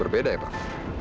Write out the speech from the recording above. berbeda ya pak